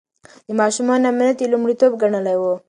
د ماشومانو امنيت يې لومړيتوب ګڼلی و.